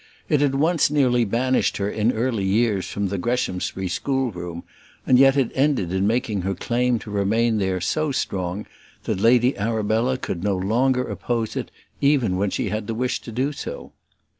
It had once nearly banished her in early years from the Greshamsbury schoolroom; and yet it ended in making her claim to remain there so strong, that Lady Arabella could no longer oppose it, even when she had the wish to do so.